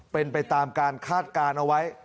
เป็นไปตามการคาดการณ์เอาไว้